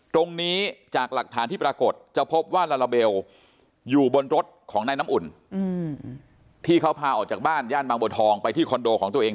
ตรงนี้จากหลักฐานที่ปรากฏจะพบว่าลาลาเบลอยู่บนรถของนายน้ำอุ่นที่เขาพาออกจากบ้านย่านบางบัวทองไปที่คอนโดของตัวเอง